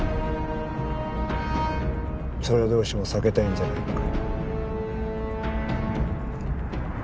それはどうしても避けたいんじゃないのか？